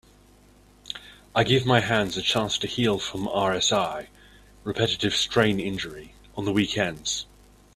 I give my hands a chance to heal from RSI (Repetitive Strain Injury) on the weekends.